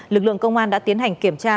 lực lượng công an đã tiến hành kiểm tra